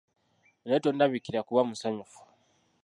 Naye tondabikira kuba musanyufu.